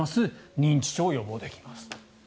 認知症を予防できますと。